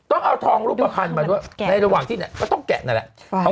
ต้องเอาทองรูปภัณฑ์มาด้วยในระหว่างที่เนี่ยก็ต้องแกะนั่นแหละ